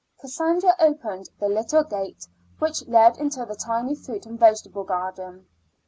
Cassandra opened the little gate which led into the tiny fruit and vegetable garden.